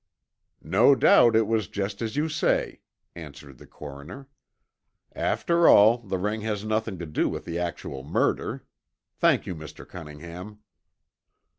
"No doubt it was just as you say," answered the coroner. "After all, the ring has nothing to do with the actual murder. Thank you, Mr. Cunningham."